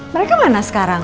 mereka mana sekarang